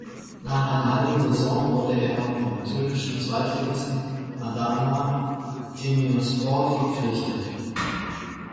Nach einer halben Saison wurde er vom türkischen Zweitligisten Adana Demirspor verpflichtet.